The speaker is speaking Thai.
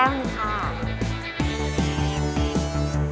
นังแจง๙๕